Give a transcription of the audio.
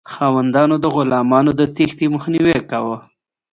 خاوندانو د غلامانو د تیښتې مخنیوی کاوه.